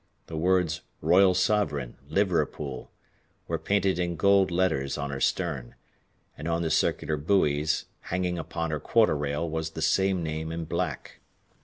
The words "Royal Sovereign, Liverpool," were painted in gold letters on her stern, and on the circular buoys hanging upon her quarter rail was the same name in black.